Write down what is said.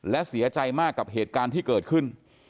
และเสียใจมากกับเหตุการณ์ที่เกิดขึ้น